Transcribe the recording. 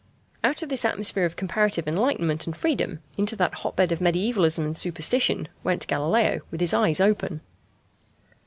Out of this atmosphere of comparative enlightenment and freedom into that hotbed of mediævalism and superstition went Galileo with his eyes open.